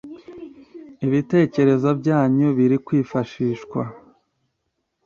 Ibitekerezo byanyu biri kwifashishwa